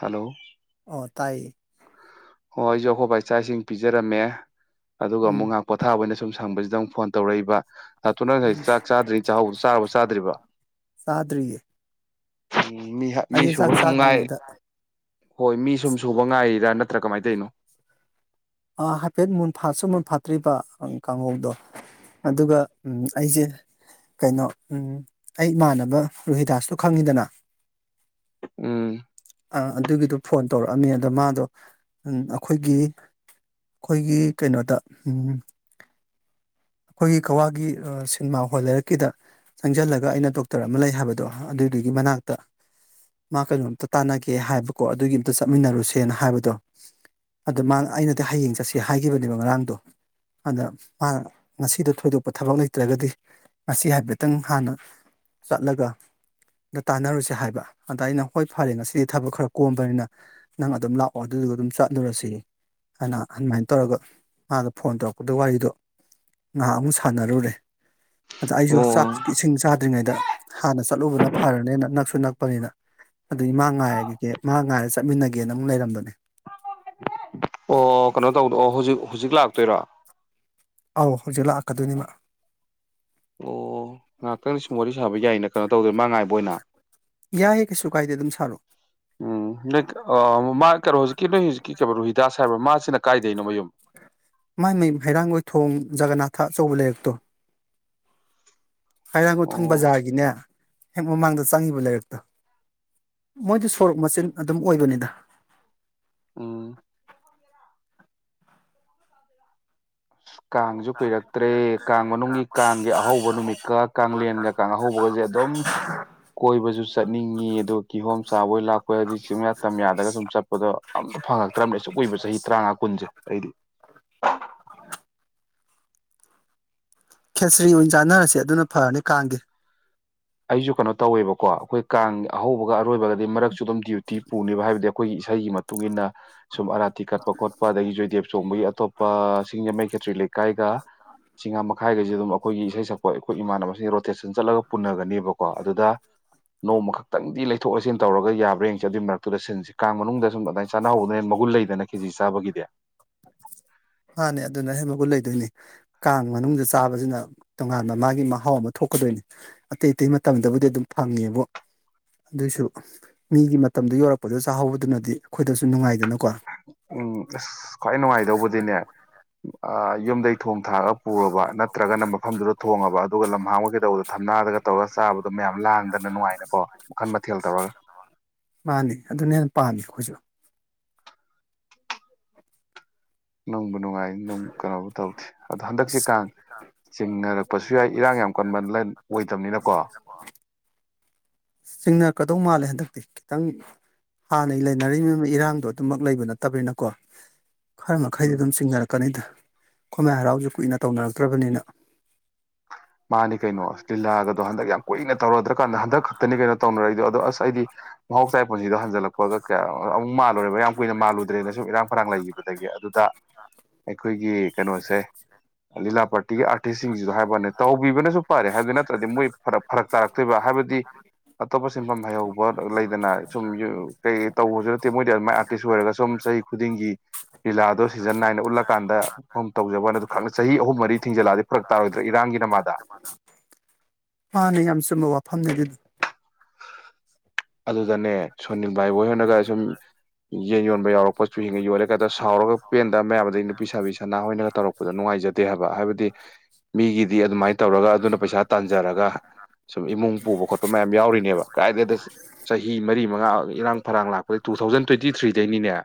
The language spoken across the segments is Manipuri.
ꯍꯜꯂꯣ꯫ ꯑꯣ ꯇꯥꯏꯌ‌ꯦ꯫ ꯑꯣ ꯑꯩꯁꯨ ꯑꯈꯣꯏꯕꯥꯏ ꯆꯥꯛ ꯏꯁꯤꯡ ꯄꯤꯖꯔꯝꯃꯦ꯫ ꯑꯗꯨꯒ ꯑꯃꯨꯛ ꯎꯝ ꯉꯍꯥꯛ ꯄꯣꯊꯥꯕ ꯑꯣꯏꯅꯅ ꯁꯨꯝ꯫ ꯊꯪꯕꯁꯤꯗ ꯑꯃꯨꯛ ꯐꯣꯟ ꯇꯧꯔꯛꯏꯕ꯫ ꯍꯊꯨ ꯅꯪ ꯎꯝ ꯉꯁꯥꯏ ꯆꯥꯛ ꯆꯥꯗ꯭ꯔꯤ ꯆꯥꯛꯍꯧꯕ ꯆꯥꯔꯕꫭ ꯆꯥꯗ꯭ꯔꯤꯕꫭ꯫ ꯆꯥꯗ꯭ꯔꯤꯌꯦ ꯃꯤ ꯑꯩꯁꯦ ꯃꯤꯁꯨꯨꯕ ꯆꯥꯛ ꯁꯨꯝ ꯉꯥꯏ ꯆꯥꯗ꯭ꯔꯤꯉꯩꯗ ꯍꯣꯏ ꯃꯤ ꯁꯨꯝ ꯁꯨꯕ ꯉꯥꯏꯔꯤꯔ ꯅꯠꯇ ꯅꯠꯇ꯭ꯔ ꯀꯃꯥꯏꯅ ꯇꯩꯅꯣ ꯍꯥꯏꯐꯦꯠ ꯃꯨꯟꯐꯥꯠꯁꯨ ꯃꯨꯟꯐꯥꯠꯇ꯭ꯔꯤꯕ ꯀꯥꯡꯍꯧꯗꯣ ꯑꯗꯨꯒ ꯑꯩꯁꯦ ꯀꯩꯅꯣ ꯑꯩ ꯏꯃꯥꯟꯅꯕ ꯔꯨꯍꯤꯗꯥꯁꯇꯣ ꯈꯪꯉꯤꯗꯅ ꯎꯝ ꯑꯥ ꯑꯗꯨꯒꯤꯗꯣ ꯐꯣꯟ ꯇꯧꯔꯛꯑꯝꯃꯦ ꯑꯗꯣ ꯃꯥꯗꯣ ꯑꯈꯣꯏꯒꯤ ꯑꯈꯣꯏꯒꯤ ꯀꯩꯅꯣꯗ ꯎꯝ ꯑꯈꯣꯏꯒꯤ ꯀꯒꯋꯥꯒꯤ ꯁꯤꯅꯦꯃꯥ ꯍꯣꯜ ꯂꯩꯔꯛꯀꯤꯗ ꯆꯪꯁꯤꯜꯂꯒ ꯑꯩꯅ ꯗꯣꯛꯇꯔ ꯑꯃ ꯂꯩ ꯍꯥꯏꯕꯗꯣ ꯑꯗꯨꯗꯨꯒꯤ ꯃꯅꯥꯛꯇ ꯃꯥ ꯀꯩꯅꯣꯝꯇ ꯇꯥꯟꯅꯒꯦ ꯍꯥꯏꯕꯀꯣ ꯑꯗꯨꯒꯤ ꯑꯝꯇ ꯆꯠꯃꯤꯟꯅꯔꯨꯁꯦꯅ ꯍꯥꯏꯕꯗꯣ ꯑꯗ ꯃꯥꯅ ꯑꯩꯅꯗꯤ ꯍꯌꯦꯡ ꯆꯠꯁꯦ ꯍꯥꯏꯈꯤꯕꯅꯦꯕ ꯉꯔꯥꯡꯗꯣ ꯑꯗ ꯃꯥꯅ ꯉꯁꯤꯗꯣ ꯊꯣꯏꯗꯣꯛꯄ ꯊꯕꯛ ꯂꯩꯇ꯭ꯔꯒꯗꯤ ꯉꯁꯤ ꯍꯥꯏꯐꯦꯠꯇꯪ ꯍꯥꯟꯅ ꯆꯠꯂꯒ ꯇꯥꯟꯅꯔꯨꯁꯤ ꯍꯥꯏꯕ ꯑꯗ ꯑꯩꯅ ꯍꯣꯏ ꯐꯔꯦ ꯉꯁꯤꯗꯤ ꯊꯕꯛ ꯈꯔ ꯀꯣꯝꯕꯅꯤꯅ ꯅꯪ ꯑꯗꯨꯝ ꯂꯥꯛꯑꯣ ꯑꯗꯨꯗꯨꯒ ꯑꯗꯨꯝ ꯆꯠꯂꯨꯔꯁꯤ ꯍꯥꯏꯅ ꯑꯗꯨꯃꯥꯏꯅ ꯇꯧꯔꯒ ꯃꯥꯅ ꯐꯣꯟ ꯇꯧꯔꯛꯄꯗ ꯋꯥꯔꯤꯗꯣ ꯉꯥꯏꯍꯥꯛ ꯑꯃꯨꯛ ꯁꯥꯟꯅꯔꯨꯔꯦ ꯑꯗ ꯑꯩꯁꯨ ꯆꯥꯛ ꯑꯣ ꯏꯁꯤꯡ ꯆꯥ ꯇ꯭ꯔꯤꯉꯩꯗ ꯍꯥꯟꯅ ꯆꯠꯂꯨꯕꯅ ꯐꯔꯅꯦꯅ ꯅꯛꯁꯨ ꯅꯛꯄꯅꯤꯅ ꯑꯗꯨꯗꯤ ꯃꯥ ꯉꯥꯏꯔꯈꯤꯒꯦ ꯃꯥ ꯉꯥꯏꯔꯒ ꯆꯠꯃꯤꯟꯅꯒꯦꯅ ꯑꯃꯨꯛ ꯂꯩꯔꯝꯕꯅꯦ ꯑꯣ ꯀꯩꯅꯣ ꯇꯧꯗꯣ ꯑꯣ ꯍꯧꯖꯤꯛ ꯍꯧꯖꯤꯛ ꯂꯥꯛꯇꯣꯏꯔꯣ ꯑꯥꯎ ꯂꯥꯛꯀꯗꯩꯅꯤ ꯃꯥ ꯑꯣ ꯉꯥꯏꯍꯥꯛꯇꯪ ꯁꯨꯝ ꯋꯥꯔꯤ ꯁꯥꯕ ꯌꯥꯏꯅ ꯀꯩꯅꯣ ꯇꯧꯗꯣꯢ ꯃꯥ ꯉꯥꯏꯕ ꯑꯣꯏꯅ ꯌꯥꯏꯌꯦ ꯀꯩꯁꯨ ꯀꯥꯏꯗꯦ ꯑꯗꯨꯝ ꯁꯥꯔꯛꯑꯣ ꯎꯝ ꯅꯣꯏ ꯀꯩꯅꯣ ꯍꯧꯖꯤꯛꯀꯤ ꯅꯣꯏ ꯍꯧꯖꯤꯛꯀꯤ ꯔꯨꯍꯤꯗꯥꯁ ꯍꯥꯏꯔꯕ ꯃꯥꯁꯤꯅ ꯀꯥꯏꯗꯅꯣ ꯃꯌꯨꯝ ꯃꯥꯏ ꯃꯥꯏ ꯍꯩꯔꯥꯡꯒꯣꯏ ꯊꯣꯡ ꯖꯒꯅꯥꯊ ꯑꯆꯧꯕ ꯂꯩꯔꯛꯇꯣ ꯍꯩꯔꯥꯡꯒꯣꯏꯊꯣꯡ ꯑꯣ ꯕꯖꯥꯔꯒꯤꯅꯦ ꯍꯦꯛ ꯃꯃꯥꯡꯗ ꯆꯪꯒꯤꯕ ꯂꯩꯥꯔꯛꯇꯣ ꯃꯣꯏꯗꯤ ꯁꯣꯔꯣꯛ ꯃꯆꯤꯟ ꯑꯗꯨꯝ ꯑꯣꯏꯗꯣꯢꯅꯤꯗ ꯎꯝ [unintelligible] ꯀꯥꯡꯁꯨ ꯀꯨꯏꯔꯛꯇ꯭ꯔꯦ ꯀꯥꯡ ꯃꯅꯨꯡꯒꯤ ꯀꯥꯡꯒꯤ ꯑꯍꯧꯕ ꯅꯨꯃꯤꯠꯀ ꯀꯥꯡꯂꯦꯟꯒ ꯀꯥꯡ ꯑꯍꯧꯕꯒꯁꯦ ꯑꯗꯨꯝ ꯀꯣꯏꯕꯁꯨ ꯆꯠꯅꯤꯡꯉꯤ ꯑꯗꯨ ꯀꯤꯍꯣꯝ ꯆꯥꯕꯣꯏ ꯂꯥꯛꯄꯣꯏ ꯍꯥꯏꯗꯤ ꯆꯤꯡꯌꯥ ꯇꯝ ꯌꯥꯗꯒ ꯁꯨꯝ ꯆꯠꯄꯗ ꯑꯝꯇ ꯐꯪꯉꯛꯇ꯭ꯔꯕꯅꯦ ꯑꯁꯨꯛ ꯀꯨꯏꯕ ꯆꯍꯤ ꯇꯔꯥꯃꯉꯥ ꯀꯨꯟꯁꯦ ꯑꯩꯗꯤ ꯈꯦꯁ꯭ꯔꯤ ꯑꯣꯏꯅ ꯆꯥꯟꯅꯔꯁꯦ ꯑꯗꯨꯅ ꯐꯔꯅꯤ ꯀꯥꯡꯒꯤ ꯑꯩꯁꯨ ꯀꯩꯅꯣ ꯇꯧꯋꯦꯕꯀꯣ ꯑꯈꯣꯏ ꯀꯥꯡ ꯑꯍꯧꯕꯒ ꯑꯔꯣꯏꯕꯒ ꯃꯔꯛꯁꯨ ꯑꯗꯨꯝ ꯗ꯭ꯌꯨꯇꯤ ꯄꯨꯅꯤꯕ ꯍꯥꯏꯕꯗꯤ ꯑꯈꯣꯏꯒꯤ ꯏꯁꯩꯒꯤ ꯃꯇꯨꯡ ꯏꯟꯅ ꯁꯨꯝ ꯑꯔꯥ ꯇꯤ ꯀꯠꯄꯣꯠꯄ ꯑꯗꯨꯗꯒꯤ ꯖꯣꯢꯗꯦꯕ ꯆꯣꯡꯕꯒꯤ ꯑꯇꯣꯞꯄ ꯁꯤꯡꯖꯃꯩ ꯈꯦꯇ꯭ꯔꯤ ꯂꯩꯀꯥꯏꯒ ꯆꯤꯉꯥꯃꯈꯥꯒꯩꯁꯦ ꯑꯗꯨꯝ ꯑꯈꯣꯏꯒꯤ ꯏꯁꯩ ꯁꯛꯄ ꯑꯩꯈꯣꯏ ꯏꯃꯥꯟꯅꯕꯁꯤꯡ ꯔꯣꯇꯦꯁꯟ ꯆꯠꯂꯒ ꯄꯨꯟꯅꯒ ꯕꯀꯣ ꯑꯗꯨꯗ ꯅꯣꯡꯃ ꯈꯛꯇꯪꯗꯤ ꯂꯩꯊꯣꯛꯑꯁꯤꯟ ꯇꯧꯔꯒ ꯌꯥꯕ꯭ꯔꯥ ꯌꯦꯡꯁꯦ ꯑꯗꯨꯒꯤ ꯃꯔꯛꯇꯨꯗ ꯁꯤꯟꯁꯦ ꯀꯥꯡ ꯃꯅꯨꯡꯗ ꯁꯨꯝ ꯑꯗꯨꯃꯥꯏꯅ ꯆꯥꯅꯍꯧꯗꯅꯅꯦ ꯃꯒꯨꯟ ꯂꯩꯗꯅ ꯀꯦꯆꯤ ꯆꯥꯕꯒꯤꯗꯤ ꯃꯥꯅꯦ ꯑꯗꯨꯗꯅ ꯍꯦꯟꯅ ꯃꯒꯨꯟ ꯂꯩꯗꯣꯏꯅꯤ ꯀꯥꯡ ꯃꯅꯨꯡꯗ ꯆꯥꯕꯁꯤꯅ ꯇꯣꯉꯥꯟꯥꯟꯕ ꯃꯥꯒꯤ ꯃꯍꯥꯎ ꯑꯃ ꯊꯣꯛꯀꯗꯣꯏꯅꯤ ꯑꯇꯩ ꯑꯇꯩ ꯃꯇꯝꯗꯕꯨꯗꯤ ꯑꯗꯨꯝ ꯐꯪꯉꯦꯕꯨ ꯑꯗꯨꯏꯁꯨ ꯃꯤꯒꯤ ꯃꯇꯝꯗ ꯌꯧꯔꯛꯄꯗ ꯆꯥꯍꯧꯕꯗꯨꯅꯗꯤ ꯑꯈꯣꯏꯗꯁꯨ ꯅꯨꯡꯉꯥꯏꯗꯅ ꯎꯝ ꯑꯁ ꯈ꯭ꯋꯥꯏ ꯅꯨꯡꯉꯥꯏꯗꯧꯕꯗꯤꯅꯦ ꯑꯥ ꯌꯨꯝꯗꯩ ꯊꯣꯡ ꯊꯥꯛꯔꯑꯒ ꯄꯨꯔꯕ ꯅꯠꯇ꯭ꯔꯒꯅ ꯃꯐꯝꯗꯨꯗ ꯊꯣꯡꯉꯕ ꯑꯗꯨꯒ ꯂꯝꯍꯥꯡ ꯑꯣꯢ ꯀꯩꯗꯧꯕꯗ ꯊꯝꯅꯥꯗꯒ ꯇꯧꯔꯒ ꯆꯥꯕꯗꯣ ꯃꯌꯥꯝ ꯂꯥꯡꯗꯅ ꯅꯨꯡꯉꯥꯏꯅꯀꯣ ꯃꯈꯜ ꯃꯊꯦꯜ ꯇꯧꯔꯒ ꯃꯥꯅꯤ ꯑꯗꯨꯅ ꯍꯦꯟꯅ ꯄꯥꯝꯃꯤ ꯑꯩꯈꯣꯏꯁꯨ ꯅꯪ ꯅꯨꯡꯉꯥꯏ ꯑꯗꯨꯝ ꯀꯩꯅꯣꯕꯨ ꯇꯧꯗꯦ ꯑꯗꯣ ꯍꯟꯗꯛꯁꯤ ꯀꯥꯡ ꯆꯤꯡꯅꯔꯛꯄꯁꯨ ꯌꯥꯏ ꯏꯔꯥꯡ ꯌꯥꯝ ꯀꯟꯕ ꯑꯣꯏꯗꯕꯅꯤꯅꯀꯣ ꯆꯤꯡꯅꯔꯛꯀꯗꯧ ꯃꯥꯜꯂꯦ ꯍꯟꯗꯛꯇꯤ ꯈꯤꯇꯪ ꯍꯥꯟꯅꯩ ꯂꯩꯅꯔꯤ ꯏꯔꯥꯡꯗꯣ ꯑꯗꯨꯝꯃꯛ ꯂꯩꯕ ꯅꯠꯇꯕꯅꯤꯅꯀꯣ ꯈꯔ ꯃꯈꯩꯗꯤ ꯎꯝ ꯑꯗꯨꯝ ꯆꯤꯡꯅꯔꯛ ꯀꯅꯤꯗ ꯈꯃꯥꯏ ꯍꯔꯥꯎꯁꯨ ꯀꯨꯏꯅ ꯇꯧꯅꯔꯛꯇ꯭ꯔꯕꯅꯤꯅ ꯃꯥꯅꯤ ꯀꯩꯅꯣ ꯂꯤꯂꯥꯒꯗꯣ ꯍꯟꯗꯛ ꯌꯥꯝ ꯀꯨꯏꯅ ꯇꯧꯔꯗ꯭ꯔꯀꯥꯟꯗ ꯍꯟꯗꯛ ꯈꯛꯇꯅꯤ ꯀꯩꯅꯣ ꯇꯧꯅꯔꯛꯏꯗꯣ ꯑꯗꯣ ꯑꯁ ꯑꯩꯗꯤ ꯃꯍꯧꯁꯥꯒꯤ ꯄꯨꯟꯁꯤꯗꯣ ꯍꯟꯖꯤꯜꯂꯛꯄꯒ ꯀꯌꯥ ꯑꯃꯨꯛ ꯃꯥꯜꯂꯨꯔꯦꯕ ꯌꯥꯝ ꯀꯨꯏꯅ ꯃꯥꯜꯂꯨꯗ꯭ꯔꯦꯅ ꯁꯨꯝ ꯏꯔꯥꯡ ꯐꯔꯥꯡ ꯂꯩꯈꯤꯕꯗꯒꯤ ꯑꯗꯨꯗ ꯑꯩꯈꯣꯏꯒꯤ ꯀꯩꯅꯣꯁꯦ ꯂꯤꯂꯥ ꯄꯥꯔꯇꯤꯒꯤ ꯑꯥꯔꯇꯤꯁꯁꯤꯡꯁꯤꯁꯨ ꯍꯥꯏꯕ ꯅꯠꯇ ꯇꯧꯕꯤꯕꯅꯁꯨ ꯐꯔꯦ ꯍꯥꯏꯕꯗꯤ ꯅꯠꯇ꯭ꯔꯗꯤ ꯃꯣꯏ ꯐꯔꯛ ꯇꯥꯔꯛꯇꯣꯏꯕ ꯍꯥꯏꯕꯗꯤ ꯑꯇꯣꯞꯄ ꯁꯤꯟꯐꯝ ꯍꯩꯍꯧꯕ ꯂꯩꯗꯅ ꯁꯨꯝ ꯀꯩ ꯇꯧꯕꯁꯨ ꯅꯠꯇꯦ ꯃꯣꯏꯗꯤ ꯑꯗꯨꯃꯥꯏꯅ ꯑꯥꯔꯇꯤꯁ ꯑꯣꯏꯔꯒ ꯁꯨꯝ ꯆꯍꯤ ꯈꯨꯗꯤꯡꯒꯤ ꯂꯤꯂꯥꯗꯣ ꯁꯤꯖꯟ ꯅꯥꯏꯟ ꯎꯠꯂꯀꯥꯟꯗ ꯇꯧꯖꯕ ꯑꯗꯨ ꯈꯪ ꯆꯍꯤ ꯑꯍꯨꯝ ꯃꯔꯤ ꯊꯤꯡꯖꯤꯜꯂꯛꯑꯗꯤ ꯐꯔꯛ ꯇꯔꯣꯏ꯭ꯔ ꯏꯔꯥꯡꯒꯤ ꯅꯃꯥꯗ ꯑꯅꯤ ꯌꯥꯝꯁꯤ ꯃ ꯋꯥꯐꯝꯐꯝ ꯅꯒꯤ ꯑꯗꯨꯗꯅꯦ ꯁꯣꯅꯤ ꯕꯥꯥꯏ ꯕꯣꯏ ꯍꯣꯏꯅꯒ ꯁꯨꯝ ꯌꯦꯟ ꯌꯣꯟꯕ ꯌꯥꯎꯔꯛꯄꯁꯨ ꯍꯡꯉ ꯌꯣꯜꯂꯦ ꯀꯗ ꯁꯥꯎꯔꯒ ꯄꯦꯟꯗꯕ ꯃꯌꯥꯝꯗꯗꯒꯤ ꯅꯨꯄꯤ ꯁꯥꯕꯤ ꯁꯥꯅꯥꯍꯣꯏꯅꯒ ꯇꯧꯔꯛꯄꯗ ꯅꯨꯡꯉꯥꯏꯖꯗꯦ ꯍꯥꯏꯕ ꯍꯥꯏꯕꯗꯤ ꯃꯤꯒꯤꯗꯤ ꯑꯗꯨꯃꯥꯏꯅ ꯇꯧꯔꯒ ꯑꯗꯨꯅ ꯄꯩꯁꯥ ꯇꯥꯟꯖꯔꯒ ꯁꯨꯝ ꯏꯃꯨꯡ ꯄꯨꯕ ꯈꯣꯠꯄ ꯃꯌꯥꯝ ꯌꯥꯎꯔꯤꯅꯦꯕ ꯀꯥꯏꯗꯗ ꯃꯔꯤ ꯃꯉꯥ ꯏꯔꯥꯡ ꯐꯔꯥꯡ ꯂꯥꯛꯄꯗ ꯇꯨ ꯊꯥꯎꯖꯟ ꯇ꯭ꯋꯦꯟꯇꯤ ꯊ꯭ꯔꯤꯗꯩꯅꯤꯅꯦ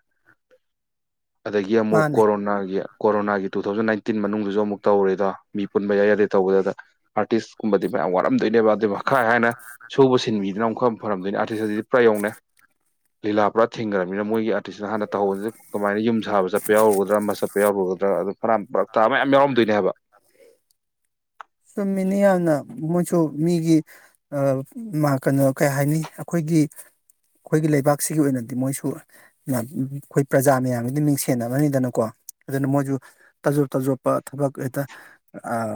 ꯑꯗꯒꯤ ꯑꯃꯨꯛ ꯃꯥꯅꯦ ꯀꯣꯔꯣꯅꯥꯒꯤ ꯀꯣꯔꯣꯅꯥꯒꯤ ꯇꯨ ꯊꯥꯎꯖꯟ ꯅꯥꯏꯟꯇꯤꯟ ꯃꯅꯨꯡꯁꯨ ꯑꯃꯨꯛ ꯇꯧꯔꯦꯗꯣ ꯃꯤ ꯄꯨꯟꯕ ꯌꯥꯗꯦ ꯇꯧꯕꯗ ꯑꯥꯔꯇꯤꯁꯀꯨꯝꯕꯗꯤ ꯃꯌꯥꯝ ꯋꯥꯔꯝ ꯇꯣꯏꯅꯦꯕ ꯑꯗꯨꯈꯥꯏ ꯍꯥꯏꯅ ꯁꯨꯕ ꯁꯤꯟꯕꯤꯗꯅ ꯑꯃꯨꯛ ꯐꯔꯝꯗꯣꯏꯅꯤ ꯑꯥꯔꯇꯤꯁ ꯑꯁꯤꯗꯤ ꯄꯨꯔꯥ ꯌꯧꯅꯦ ꯂꯤꯂꯥ ꯄꯨꯔꯥ ꯊꯤꯡꯈ꯭ꯔꯔꯕꯅꯤꯅ ꯃꯣꯏꯒꯤ ꯑꯗꯨꯁꯤꯅ ꯍꯥꯟꯅ ꯇꯧꯧꯕꯁꯤꯗ ꯀꯃꯥꯏꯅ ꯌꯨꯝ ꯁꯥꯕ ꯆꯠꯄ ꯌꯥꯎꯔꯨꯒꯗ꯭ꯔꯥ ꯃꯆꯠ ꯌꯥꯎꯔꯨꯒꯗ꯭ꯔꯥ ꯑꯗꯨ ꯐꯅ ꯄꯔꯛ ꯇꯥ ꯑꯃ ꯃꯌꯥꯝ ꯌꯥꯎꯔꯝꯗꯣꯏꯅꯦ ꯍꯥꯏꯕ ꯆꯨꯝꯃꯤꯅꯤ ꯌꯥꯝꯅ ꯃꯣꯏꯁꯨ ꯃꯤꯒꯤ ꯀꯩꯅꯣ ꯀꯩ ꯍꯥꯏꯅꯤ ꯑꯩꯈꯣꯏꯒꯤ ꯑꯩꯈꯣꯏꯒꯤ ꯂꯩꯕꯥꯛꯁꯤꯒꯤ ꯑꯣꯏꯅꯗꯤ ꯃꯣꯏꯁꯨ ꯑꯩꯈꯣꯏ ꯄ꯭ꯔꯖꯥ ꯃꯌꯥꯝꯒꯤꯗꯤ ꯃꯤꯡꯁꯦꯟꯅꯕꯅꯤꯗꯅꯀꯣ ꯑꯗꯨꯅ ꯃꯣꯏꯁꯨ ꯇꯥꯖꯣꯞ ꯇꯥꯖꯣꯞꯄ ꯊꯕꯛ ꯍꯦꯛꯇ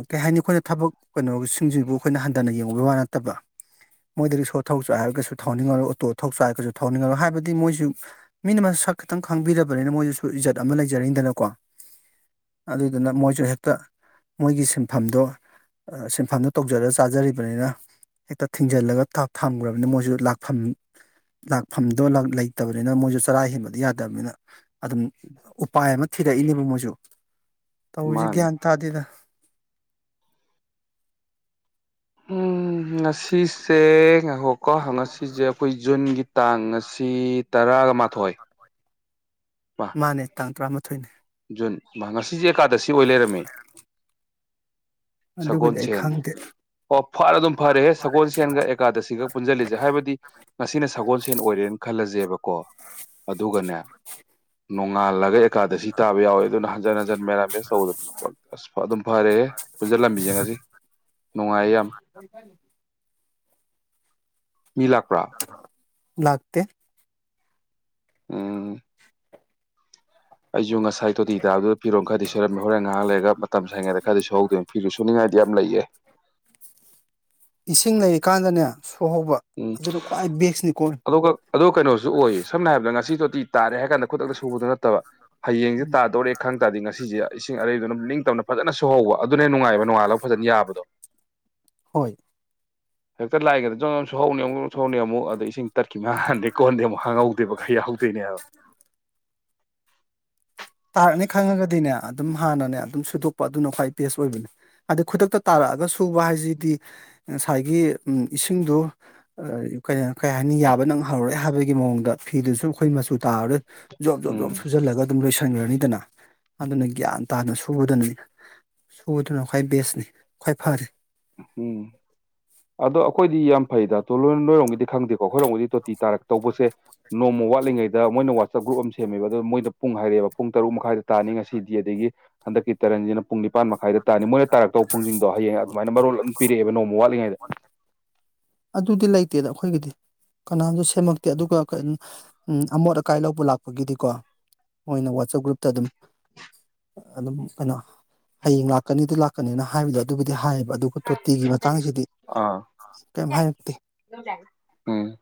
ꯀꯩ ꯍꯥꯏꯅꯤ ꯑꯩꯈꯣꯏꯅ ꯊꯕꯛ ꯀꯩꯅꯣꯁꯤꯡꯁꯤꯕꯨ ꯑꯩꯈꯣꯏꯅ ꯍꯟꯊꯅ ꯌꯦꯡꯕꯒꯤ ꯋꯥ ꯅꯠꯇꯕ ꯃꯣꯏꯗꯒꯤ ꯁꯣ ꯊꯊꯧ ꯆ ꯍꯥꯏꯔꯒꯁꯨ ꯊꯧꯅꯤꯡꯉꯂꯣꯏ ꯑꯣꯇꯣ ꯊꯊꯧ ꯆꯥ ꯍꯥꯏꯔꯒꯁꯨ ꯊꯧꯅꯤꯡꯉꯂꯣ ꯍꯥꯏꯕꯗꯤ ꯃꯣꯏꯁꯨ ꯃꯤꯅ ꯃꯁꯛ ꯈꯤꯇꯪ ꯈꯪꯕꯤꯔꯕꯅꯤꯅ ꯃꯣꯏꯗꯨꯁꯨ ꯏꯖꯠ ꯑꯃ ꯂꯩꯖꯔꯤꯗꯅꯀꯣ ꯑꯗꯨꯗꯨꯅ ꯃꯣꯏꯁꯨ ꯍꯦꯛꯇ ꯃꯣꯏꯒꯤ ꯁꯤꯟꯐꯝꯗꯣ ꯁꯤꯟꯐꯝꯗꯣ ꯇꯧꯖꯔ ꯆꯥꯖꯔꯤꯕꯅꯤꯅ ꯍꯦꯛꯇ ꯊꯤꯡꯖꯤꯜꯂꯒ ꯊꯥꯛ ꯊꯝꯈ꯭ꯔꯕꯅꯤꯅ ꯃꯣꯏꯁꯨ ꯂꯥꯛꯐꯝ ꯂꯥꯛꯐꯝꯗꯣ ꯂꯩꯇꯕꯅꯤꯅ ꯃꯣꯏꯁꯨ ꯆꯔꯥ ꯍꯦꯟꯕꯗꯤ ꯌꯥꯗꯕꯅꯤꯅ ꯑꯗꯨꯝ ꯎꯄꯥꯏ ꯑꯃ ꯊꯤꯔꯛꯏꯅꯦꯕ ꯃꯣꯏꯁꯨ ꯇꯧꯔꯤꯁꯦ ꯃꯥꯅꯤ ꯒ꯭ꯌꯥꯟ ꯇꯥꯗꯦꯗ ꯎꯝ ꯉꯁꯤꯁꯦ ꯉꯥꯏꯍꯧꯀꯣ ꯉꯁꯤꯁꯦ ꯑꯩꯈꯣꯏ ꯖꯨꯟꯒꯤ ꯇꯥꯡ ꯉꯁꯤ ꯇꯔꯥꯒ ꯃꯥꯊꯣꯏ ꯃꯥꯅꯦ ꯇꯥꯡ ꯇ꯭ꯔꯥ ꯊꯣꯏꯅꯤꯣ ꯃꯉ ꯁꯤꯁ ꯑꯦꯀꯥꯗꯁꯤ ꯑꯣꯏ ꯂꯩꯔꯝꯃꯤ ꯑꯗꯨꯒꯗꯤ ꯑꯩ ꯁꯒꯣꯜꯁꯦꯟ ꯈꯪꯗꯦ ꯑꯣ ꯐꯔ ꯑꯗꯨꯝ ꯐꯔꯦꯍꯦ ꯁꯒꯣꯜꯁꯦꯟꯒ ꯑꯦꯀꯥꯗꯁꯤꯒ ꯄꯨꯟꯁꯤꯜꯂꯤꯁꯦ ꯍꯥꯏꯕꯗꯤ ꯉꯁꯤꯅ ꯁꯒꯣꯜꯁꯦꯟ ꯑꯣꯏꯔꯦꯅ ꯈꯜꯂꯁꯦꯕꯀꯣ ꯑꯗꯨꯒꯅꯦ ꯉꯥꯜꯂꯒ ꯑꯦꯀꯥꯗꯁꯤ ꯇꯥꯕ ꯌꯥꯎꯋꯦ ꯑꯗꯨꯅ ꯍꯟꯖꯤꯟ ꯍꯟꯖꯤꯟ ꯃꯦꯔꯥꯃꯦꯁ ꯇꯧꯕꯗ ꯑꯁ ꯑꯗꯨꯝ ꯐꯔꯦꯍꯦ ꯄꯨꯟꯁꯤꯜꯂꯝꯕꯤꯁꯤꯡꯉꯁꯤ ꯅꯨꯡꯉꯥꯏꯌꯦ ꯌꯥꯝ ꯃꯤꯂꯄ꯭ꯔꯥ ꯂꯥꯛꯇ ꯑ ꯑꯩꯖꯨꯡ ꯑꯁ ꯁꯥꯏ ꯇꯣꯇꯤ ꯇꯥꯕꯗꯨꯗ ꯐꯤꯔꯣꯝ ꯈꯔꯗꯤ ꯁꯣꯏꯔꯝꯃꯦ ꯍꯣꯔꯦꯟ ꯉꯥꯏꯍꯥꯛ ꯂꯩꯒ ꯃꯇꯝ ꯁꯪꯉꯩꯗ ꯈꯔꯗꯤ ꯁꯨꯍꯧꯗꯣꯏꯅꯤ ꯐꯤꯁꯨ ꯁꯨꯅꯤꯡꯉꯥꯏꯗꯤ ꯌꯥꯝ ꯂꯩꯌꯦꯦ ꯀꯥꯟꯗꯅꯤ ꯎꯝ ꯑꯗꯨ ꯑꯗꯨ ꯀꯩꯅꯣꯁꯨ ꯑꯣꯏ ꯁꯝꯅ ꯍꯥꯏꯔꯕꯗ ꯉꯁꯤꯗꯣꯗꯤꯤ ꯇꯥꯔꯦ ꯍꯥꯏ ꯀꯥꯟꯗ ꯈꯨꯗꯛꯇ ꯁ ꯁꯨꯕꯗ ꯅꯠꯇꯕ ꯍ꯭ꯌꯥꯡ ꯁꯦ ꯇꯥꯗꯣꯔꯦ ꯈ꯭ꯡꯡ ꯇꯥꯔꯥ ꯗ ꯉꯁꯤ ꯁꯦ ꯑꯦꯁꯤꯡ ꯑꯔꯦꯏꯗꯨꯅꯥ꯫ ꯝꯔꯤ ꯇꯅ ꯐꯖꯅ ꯁꯨꯍꯧꯕ ꯑꯗꯨꯅ ꯅꯨꯡꯉꯥꯏꯕ ꯅꯣꯉꯥꯜꯂꯒ ꯐꯖꯅ ꯌꯥꯕꯗꯣ ꯍꯣꯏ ꯍ ꯐꯔ ꯂꯑꯒꯦ ꯁꯍꯥꯎꯅꯤ ꯑꯃꯨꯛ ꯁꯥꯎꯅꯤ ꯑꯃꯨꯛ ꯑꯗ ꯏꯁꯤꯡ ꯇꯔꯀꯤ ꯃꯥꯡꯍꯟꯗꯦ ꯀꯣꯟꯍꯟꯗꯦ ꯑꯃꯨꯛ ꯍꯥꯡꯍꯧꯗꯦꯕ ꯈꯩ ꯌꯥꯎꯍꯧꯗꯣꯏꯅꯦꯕ ꯇꯥꯔꯛꯅꯤ ꯈꯪꯉꯒꯗꯤꯅꯦ ꯑꯗꯨꯝ ꯍꯥꯟꯅꯅꯦ ꯑꯗꯨꯝ ꯁꯨꯗꯣꯛꯄ ꯑꯗꯨꯅ ꯈ꯭ꯋꯥꯏ ꯕꯦꯁ ꯑꯣꯏꯕꯅꯦ ꯑꯗꯩ ꯈꯨꯗꯛꯇ ꯇꯥꯔꯛꯑꯒ ꯁꯨꯕ ꯍꯥꯏꯁꯤꯗꯤ ꯉꯁꯥꯏꯒꯤ ꯏꯁꯤꯡꯗ ꯀꯩ ꯍꯥꯏꯅꯤ ꯌꯥꯕ ꯅꯪꯍꯔꯔꯦ ꯍꯥꯏꯕꯒꯤ ꯃꯑꯣꯡꯗ ꯐꯤꯗꯨꯁꯨ ꯑꯩꯈꯣꯏ ꯃꯆꯨ ꯇꯥꯔꯔꯣꯏ ꯣꯕ ꯣ ꯣꯕ ꯎꯝ ꯐꯔ ꯂꯒꯦ [inaudible] ꯈꯟꯈ꯭ꯔꯅꯤꯗꯅ ꯑꯗꯨꯅ ꯒ꯭ꯌꯥꯟ ꯇꯥꯅ ꯁꯨꯕꯗꯅꯤ ꯁꯨꯕꯗꯨꯅ ꯈ꯭ꯋꯥꯏ ꯕꯦꯁꯅꯤ ꯈ꯭ꯋꯥꯏ ꯐꯔꯦ ꯎꯝ ꯑꯗꯣ ꯑꯩꯈꯣꯏꯗꯤ ꯌꯥꯝ ꯐꯩꯗꯣꯣꯏ ꯂꯣꯏꯔꯣꯝꯒꯤꯗꯤ ꯈꯪꯗꯦꯀꯣ ꯑꯩꯈꯣꯏꯔꯣꯝꯒꯤꯗꯤ ꯇꯣꯇꯤ ꯇꯥꯔ ꯇꯧꯕꯁꯦ ꯅꯣꯡꯃ ꯋꯥꯠꯂꯤꯉꯩꯗ ꯃꯣꯏꯅ ꯋꯥꯆꯞ ꯒ꯭ꯔꯨꯞ ꯑꯃ ꯁꯦꯝꯃꯦꯕ ꯑꯗꯨꯣ ꯃꯣꯏ ꯄꯨꯡ ꯍꯥꯏꯔꯛꯑꯦꯕ ꯄꯨꯡ ꯇꯔꯨꯛ ꯃꯈꯥꯏꯗ ꯇꯥꯅꯤ ꯉꯁꯤꯗꯤ ꯑꯗꯒꯤ ꯍꯟꯗꯛꯀꯤ ꯇꯔꯟꯁꯤꯅ ꯄꯨꯡ ꯅꯤꯄꯥꯟ ꯃꯈꯥꯏꯗ ꯇꯥꯅꯤ ꯃꯣꯏꯅ ꯇꯥꯔꯛꯇꯧꯕ ꯄꯨꯡꯁꯤꯡꯗꯣ ꯍꯌꯦꯡ ꯑꯗꯨ ꯅ ꯃꯔꯣꯜ ꯑꯗꯨꯝ ꯄꯤꯔꯛꯑꯦꯕ ꯅꯣꯡꯃ ꯋꯥꯠꯂꯤꯉꯩꯗ ꯑꯗꯨꯗꯤ ꯂꯩꯇꯦꯗ ꯑꯩꯈꯣꯏꯒꯤꯗꯤ ꯀꯅꯥꯝꯁꯨ ꯁꯦꯝꯃꯛꯇꯦ ꯑꯗꯨꯒ ꯑꯃꯣꯠ ꯑꯀꯥꯏ ꯂꯧꯕ ꯂꯥꯛꯄꯒꯤꯗꯤꯀꯣ ꯃꯣꯏꯅ ꯋꯥꯆꯞ ꯒ꯭ꯔꯨꯞꯇ ꯑꯗꯨꯝ ꯑꯗꯨꯝ ꯀꯩꯅꯣ ꯍꯌꯦꯡ ꯂꯥꯛꯀꯅꯤꯗ ꯂꯥꯛꯀꯅꯤꯅ ꯍꯥꯏꯕꯗ ꯑꯗꯨꯕꯨꯗꯤ ꯍꯥꯏꯌꯦꯕ ꯑꯗꯨꯒ ꯇꯣꯇꯤꯒꯤ ꯃꯇꯥꯡꯁꯤꯗꯤ ꯑꯥ ꯀꯩꯝ ꯍꯥꯏꯔꯛꯇꯦ ꯎꯝ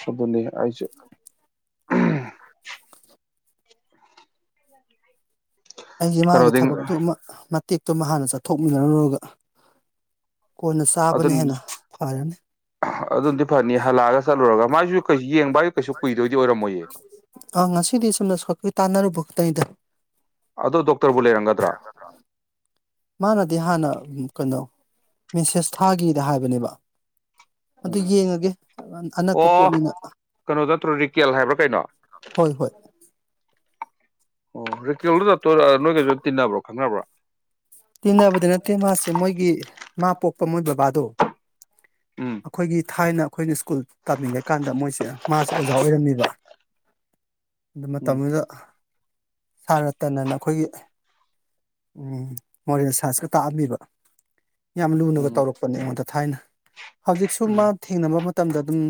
ꯁꯗ ꯂꯩꯒ [inaudible] ꯎꯝ ꯑꯩꯁ ꯃꯥꯒꯤ ꯀꯩꯅꯣꯗꯤ ꯊꯕꯛꯇꯨ ꯇꯦꯛꯇꯣꯃ ꯍꯥꯟꯅ ꯆꯠꯊꯣꯛꯃꯤꯟꯅꯔꯔꯨꯔꯒ ꯑꯗꯨ ꯑꯗꯨꯅꯗꯤ ꯐꯅꯤ ꯍꯜꯂꯛꯑꯒ ꯆꯠꯂꯨꯔꯒ ꯃꯥꯏꯁꯨ ꯀꯩ ꯌꯦꯡꯕꯒꯤꯁꯨ ꯀꯩꯁꯨ ꯀꯨꯏꯗꯣꯏꯗꯤ ꯑꯣꯏꯔꯝꯃꯣꯏꯌꯦ ꯇꯩꯗ ꯑꯗꯣ ꯗꯣꯛꯇꯔꯕꯨ ꯂꯩꯔꯝꯒꯗ꯭ꯔꯥ ꯃꯥꯅꯗꯤ ꯍꯥꯟꯅ ꯀꯩꯅꯣ ꯃꯤꯁꯦꯁ ꯊꯥꯒꯤꯗ ꯍꯥꯏꯕꯅꯦꯕ ꯑꯗꯨ ꯎꯝ ꯌꯦꯡꯉꯒꯦ ꯑꯅꯛꯄ ꯑꯣ ꯄꯣꯠꯅꯤꯅ ꯀꯩꯅꯣ ꯅꯠꯇ꯭ꯔꯣ ꯔꯤꯀꯦꯜ ꯍꯥꯏꯕ꯭ꯔꯥ ꯀꯩꯅꯣ ꯍꯣꯏ ꯍꯣꯏ ꯑꯣ ꯇꯦꯜꯗꯨ ꯅꯣꯏꯒꯩꯁꯨ ꯇꯤꯟꯅꯕ꯭ꯔꯣ ꯈꯪꯅꯕ꯭ꯔꯥ ꯇꯤꯟꯅꯕꯗꯤ ꯅꯠꯇꯦ ꯃꯥꯁꯦ ꯃꯣꯏꯒꯤ ꯃꯥ ꯄꯣꯛꯄ ꯃꯣꯏ ꯕꯕꯥꯗꯣ ꯎꯝ ꯑꯩꯈꯣꯏꯒꯤ ꯊꯥꯏꯅ ꯑꯩꯈꯣꯏꯅ ꯁ꯭ꯀꯨꯜ ꯇꯥꯅꯤꯡꯉꯀꯥꯟꯗ ꯃꯣꯏꯁꯦ ꯃꯥꯁꯦ ꯑꯣꯖꯥ ꯑꯣꯏꯔꯝꯃꯤꯕ ꯑꯗꯨ ꯎꯝ ꯃꯇꯝꯗꯨꯗ ꯁꯅ ꯇꯅꯅ ꯑꯩꯈꯣꯏꯒꯤ ꯎꯝ ꯃꯣꯔꯦꯜ ꯁꯥꯏꯟꯁꯀ ꯇꯥꯛꯑꯝꯃꯤꯕ ꯌꯥꯝ ꯂꯨꯅꯒ ꯎꯝ ꯇꯧꯔꯛꯄꯅꯦ ꯑꯩꯉꯣꯟꯗ ꯊꯥꯏꯅ ꯍꯧꯖꯤꯛꯁꯨ ꯃꯥ ꯊꯦꯡꯅꯕ ꯃꯇꯝꯗ ꯑꯗꯨꯝ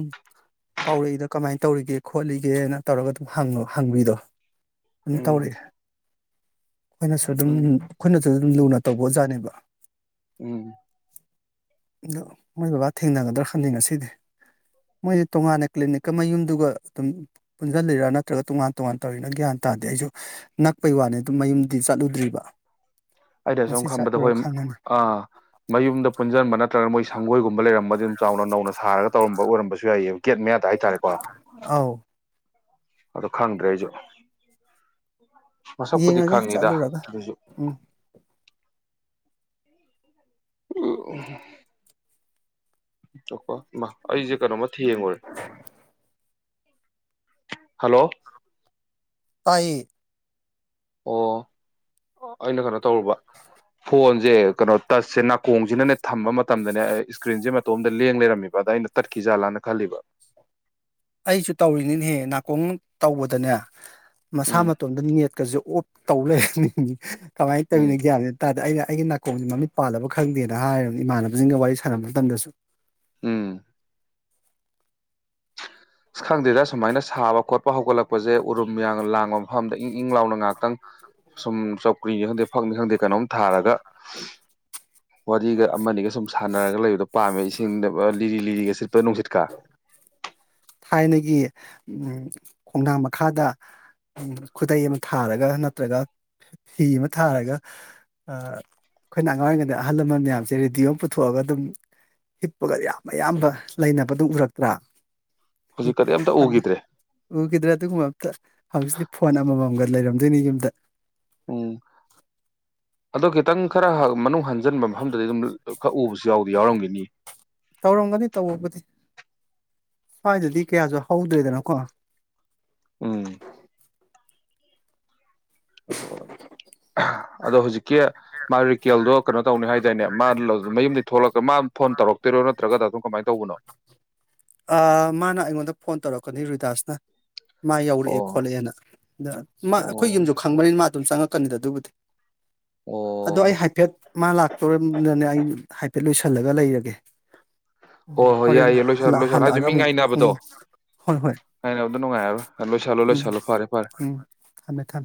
ꯀꯥꯎꯔꯛꯏꯗ ꯀꯃꯥꯏꯅ ꯇꯧꯔꯤꯒꯦ ꯈꯣꯠꯂꯤꯒꯦꯅ ꯇꯧꯔꯒ ꯑꯗꯨꯝ ꯍꯪꯕꯤꯗꯣ ꯑꯗꯨꯝ ꯎꯝ ꯎꯝ ꯇꯧꯔꯛꯑꯦ ꯑꯩꯈꯣꯏꯅꯁꯨ ꯑꯗꯨꯝ ꯎꯝ ꯑꯩꯈꯣꯏꯅꯁꯨ ꯑꯗꯨꯝ ꯂꯨꯅ ꯇꯧꯕ ꯑꯣꯖꯥꯠꯅꯦꯕ ꯎꯝ ꯑꯗꯣ ꯃꯣꯏ ꯕꯕꯥ ꯊꯦꯡꯅꯒꯗ꯭ꯔꯥ ꯈꯟꯅꯤꯡ ꯉꯁꯤꯗꯤ ꯃꯣꯏꯗꯤ ꯇꯣꯉꯥꯟꯅ ꯀ꯭ꯂꯤꯅꯤꯛ ꯑꯃ ꯌꯨꯝꯗꯨꯒ ꯑꯗꯨꯝ ꯄꯨꯟꯁꯤꯜꯂꯤꯔꯥ ꯅꯠꯇ꯭ꯔꯒ ꯇꯣꯉꯥꯟ ꯇꯣꯉꯥꯟ ꯇꯧꯔꯤꯔꯥ ꯒ꯭ꯌꯥꯟ ꯇꯥꯗꯦ ꯑꯩꯁꯨ ꯅꯛꯄꯩ ꯋꯥꯅꯤ ꯑꯗꯨꯝ ꯃꯌꯨꯝꯗꯤ ꯆꯠꯂꯨ ꯗ꯭ꯔꯤꯕ ꯑꯩꯩꯅ ꯁꯨꯝ ꯈꯪꯕꯗ ꯍꯣꯏ ꯑ ꯃꯌꯨꯝꯗ ꯄꯨꯟꯁꯤꯟꯕ ꯅꯠꯇ꯭ꯔꯒ ꯃꯣꯏ ꯁꯪꯒꯣꯏꯒꯨꯝꯕ ꯝꯕ ꯂꯩꯔꯝꯕ ꯑꯗꯨꯝ ꯆꯥꯎꯅ ꯅꯧꯅ ꯁꯥꯔꯒ ꯇꯧꯔꯝꯕ ꯑꯣꯏꯔꯝꯕꯁꯨ ꯌꯥꯏꯑꯕ ꯒꯦꯠ ꯃꯌꯥꯗ ꯍꯥꯏꯇꯥꯔꯦꯀꯣ ꯑꯧ ꯑꯗꯣ ꯈꯪꯗ꯭ꯔꯦ ꯑꯩꯁꯨ ꯃꯁꯛꯄꯨꯗꯤ ꯌꯦꯡꯉꯒꯦ ꯈꯪꯉꯤꯗ ꯆꯠꯂꯨꯔꯒ ꯑꯗꯨꯁꯨ ꯎꯝ ꯎ ꯆꯀꯣ ꯃꯥ ꯑꯩꯁꯦ ꯀꯩꯅꯣꯃ ꯊꯦꯡꯉꯨꯔꯦ ꯍꯂꯣ ꯇꯥꯏ ꯑꯣ ꯑꯩꯅ ꯀꯩꯅꯣ ꯇꯧꯔꯨꯕ ꯐꯣꯟꯁꯦ ꯀꯩꯅꯣ ꯇꯁꯁꯦ ꯅꯥꯀꯣꯡꯁꯤꯅꯅꯦ ꯊꯝꯕ ꯃꯇꯝꯗꯅꯦ ꯏꯁꯀ꯭ꯔꯤꯟꯁꯦ ꯃꯇꯣꯝꯇ ꯂꯦꯡ ꯂꯩꯔꯝꯃꯤꯕ ꯑꯗ ꯑꯩꯅ ꯇꯠꯈꯤꯖꯥꯠꯂꯥꯅ ꯈꯜꯂꯤꯕ ꯑꯩꯁꯨ ꯇꯧꯔꯤꯅꯤꯅꯦꯍꯦ ꯅꯥꯀꯣꯡ ꯇꯧꯕꯗꯅꯦ ꯃꯁꯥ ꯎꯝ ꯃꯇꯣꯝꯗ ꯅꯦꯠ ꯀꯁꯨ ꯑꯣꯐ ꯇꯧ ꯂꯩꯔꯅꯤꯡꯉ ꯀꯃꯥꯏꯅ ꯎꯝ ꯇꯧꯔꯤꯅ ꯑꯦꯛꯖꯥꯝꯦꯅ ꯇꯥꯗ ꯑꯩꯅ ꯑꯩꯒꯤ ꯅꯥꯀꯣꯡꯁꯦ ꯃꯃꯤꯠ ꯄꯥꯜꯂꯕ ꯈꯪꯗꯦꯅ ꯍꯥꯏꯔꯕ ꯏꯃꯥꯟꯅꯕꯁꯤꯡꯒ ꯋꯥꯔꯤ ꯁꯥꯟꯅꯕ ꯃꯇꯝꯗꯁꯨ ꯎꯝ ꯑꯁ ꯈꯪꯗꯦꯗ ꯁꯨꯃꯥꯏꯅ ꯁꯥꯕ ꯈꯣꯠꯄ ꯍꯧꯒꯠꯂꯛꯄ ꯄꯛꯄꯁꯦ ꯎꯔꯨꯝ ꯌꯥꯡ ꯂꯥꯡꯕ ꯃꯐꯝꯗ ꯏꯪ ꯏꯪ ꯂꯥꯎꯅ ꯉꯥꯏꯥꯛꯇꯪ ꯁꯨꯝ ꯆꯧꯀ꯭ꯔꯤꯅꯤ ꯈꯪꯗꯦ ꯐꯛꯅꯤ ꯈꯪꯗꯦ ꯀꯩꯅꯣꯝ ꯊꯥꯔꯒ ꯑꯅꯤꯒ ꯑꯃꯅꯤꯒ ꯁꯨꯝ ꯁꯥꯟꯅꯔꯒ ꯂꯩꯕꯗꯣ ꯄꯥꯝꯃꯦ ꯏꯁꯤꯡꯗ ꯂꯤꯔꯤ ꯂꯤꯔꯤꯒꯁꯤ ꯇꯣꯏꯅꯅꯨꯡꯁꯤꯠꯀꯥ ꯊꯥꯏꯅꯒꯤ ꯈꯣꯡꯅꯥꯡ ꯃꯈꯥꯗ ꯈꯨꯗꯩ ꯑꯃ ꯊꯥꯔꯒ ꯅꯠꯇ꯭ꯔꯒ ꯐꯤ ꯑꯃ ꯊꯥꯔꯒ ꯑꯩꯈꯣꯏꯅ ꯑꯉꯥꯡ ꯑꯣꯏꯔꯤꯉꯩꯗ ꯑꯍꯜ ꯂꯃꯟ ꯃꯌꯥꯝꯁꯦ ꯔꯦꯗꯤꯑꯣ ꯑꯃ ꯄꯨꯊꯣꯛꯑꯒ ꯑꯗꯨꯝ ꯍꯤꯞꯄꯒ ꯌꯥꯝ ꯑꯌꯥꯝꯕ ꯂꯩꯅꯕ ꯑꯗꯨꯝ ꯎꯔꯛꯇ꯭ꯔꯥ ꯍꯧꯖꯤꯛꯀꯗꯤ ꯑꯝꯇ ꯎꯈꯤꯗ꯭ꯔꯦ ꯑ ꯀꯗꯔꯠꯇ ꯀꯨꯃ ꯍꯧꯖꯤꯛꯇꯤ ꯐꯣꯟ ꯑꯃꯃꯝꯒ ꯂꯩꯔꯝꯗꯣꯏꯅꯤ ꯌꯨꯝꯗ ꯎꯝ ꯑ ꯈꯤꯇꯪ ꯈꯔ ꯃꯅꯨꯡ ꯍꯟ ꯑꯟꯖꯤꯟꯕ ꯃꯐꯝꯗꯗꯤ ꯑꯗꯨꯝ ꯈꯛ ꯎꯕꯁꯨ ꯌꯥꯎꯗ ꯌꯥꯎꯔꯝꯈꯤꯅꯤ ꯇꯧꯔꯝꯒꯅꯤ ꯇꯧꯕꯨꯗꯤ ꯁ꯭ꯋꯥꯏꯗꯗꯤ ꯀꯌꯥꯁꯨ ꯍꯧꯗ꯭ꯔꯦꯗꯅꯀꯣ ꯎꯝ [unintelligible] ꯑꯗꯣ ꯍꯧꯖꯤꯛꯀꯤ ꯃꯥ ꯔꯤꯀꯦꯜꯗꯣ ꯀꯩꯅꯣ ꯇꯧꯅꯤ ꯍꯥꯏꯗꯥꯏꯅꯦ ꯃꯥ [unintelligible] ꯃꯌꯨꯝꯗꯩ ꯊꯣꯛꯂꯛꯀ ꯃꯥ ꯐꯣꯟ ꯇꯧꯔꯛꯇꯣꯏꯔꯣ ꯅꯠꯇ꯭ꯔꯒ ꯑꯗꯨꯝ ꯀꯃꯥꯏ ꯇꯧꯕꯅꯣ ꯑꯥ ꯃꯥꯅ ꯑꯩꯉꯣꯟꯗ ꯐꯣꯟ ꯇꯧꯔꯛꯀꯅꯤ ꯔꯤꯗꯥꯁꯅ ꯃꯥ ꯌꯧꯔꯛꯑꯦ ꯑꯣ ꯈꯣꯠꯂꯛꯑꯦꯅ ꯑꯗ ꯃꯥ ꯑꯣ ꯑꯈꯣꯏ ꯌꯨꯝꯁꯨ ꯈꯪꯕꯅꯤꯅ ꯃꯥ ꯑꯗꯨꯝ ꯆꯪꯉꯛꯀꯅꯤꯗ ꯑꯗꯨꯕꯨꯗꯤ ꯑꯗꯣ ꯑꯣ ꯑꯩ ꯍꯥꯏꯐꯦꯠ ꯃꯥ ꯂꯥꯛꯇꯣꯝꯅꯅꯦ ꯑꯩ ꯍꯥꯏꯐꯦꯠ ꯂꯣꯏꯁꯜꯂꯒ ꯂꯩꯔꯒꯦ ꯍꯣꯏ ꯍꯣꯏ ꯍꯣꯔꯦꯟ ꯌꯥꯏꯌꯦ ꯂꯣꯏꯁꯜꯂꯣ ꯍꯜꯂꯛ ꯂꯣꯏꯁꯜꯂꯣ ꯍꯥꯏꯗꯤ ꯍꯜꯂꯛꯑꯒ ꯃꯤ ꯑꯃꯨꯛ ꯎꯝ ꯉꯥꯏꯅꯕꯗꯣ ꯍꯣꯏ ꯍꯣꯏ ꯉꯥꯏꯅꯕꯗꯣ ꯅꯨꯡꯉꯥꯏꯔꯔꯣꯏ ꯂꯣꯏꯁꯤꯜꯂꯣ ꯎꯝ ꯂꯣꯏꯁꯜꯂꯣ ꯐꯔꯦ ꯐꯔꯦ ꯎꯝ ꯊꯝꯃꯦ ꯊꯝꯃꯦ